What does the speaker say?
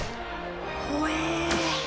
ほえ！